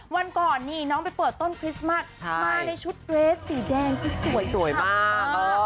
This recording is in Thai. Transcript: วันก่อนนี่น้องไปเปิดต้นคริสต์มัสมาในชุดเรสสีแดงที่สวยมาก